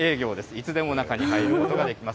いつでも中に入ることができます。